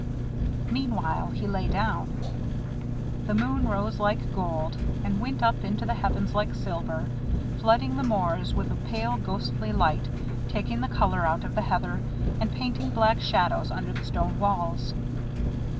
Meanwhile he lay down. The moon rose like gold, and went up into the heavens like silver, flooding the moors with a pale ghostly light, taking the colour out of the heather, and painting black shadows under the stone walls.